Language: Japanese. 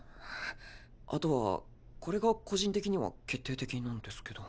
あとはこれが個人的には決定的なんですけど。